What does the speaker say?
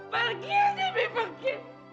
pergi jimmy pergi